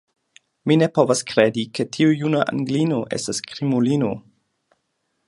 Mi ne povas kredi, ke tiu juna anglino estas krimulino.